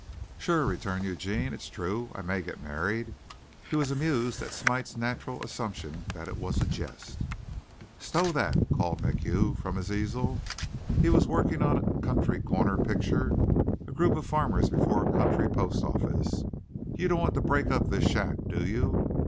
"Sure," returned Eugene. "It's true, I may get married." He was amused at Smite's natural assumption that it was a jest. "Stow that," called MacHugh, from his easel. He was working on a country corner picture, a group of farmers before a country post office. "You don't want to break up this shack, do you?"